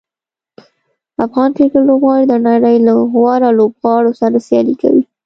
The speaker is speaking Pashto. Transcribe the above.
افغان کرکټ لوبغاړي د نړۍ له غوره لوبغاړو سره سیالي کوي.